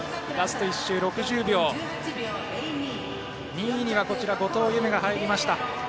２位には後藤夢が入りました。